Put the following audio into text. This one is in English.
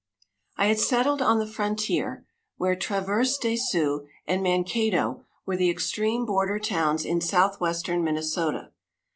I had settled on the frontier, where Traverse des Sioux and Mankato were the extreme border towns in southwestern Minnesota.